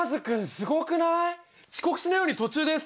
すごくない？